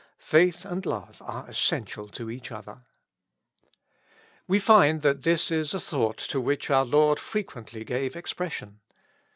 Faith and love are essen tial to each other. We find that this is a thought to which our Lord frequently gave expression.